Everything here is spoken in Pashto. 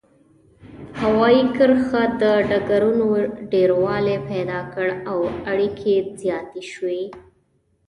هوايي کرښې او ډګرونو ډیروالی پیدا کړ او اړیکې زیاتې شوې.